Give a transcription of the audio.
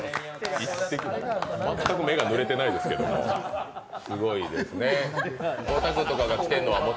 全く目がぬれてないですけども、すごいですね。